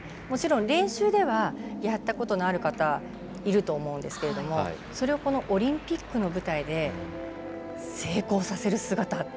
もちろん練習ではやったことのある方いると思うんですけれどもそれをこのオリンピックの舞台で成功させる姿。